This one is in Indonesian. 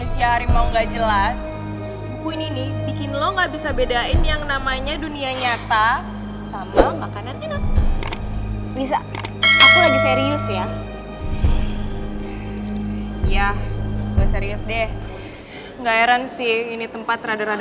sampai jumpa di video selanjutnya